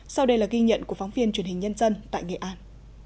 sau đây là ghi nhận của phóng viên truyền hình nhân dân tại nghệ an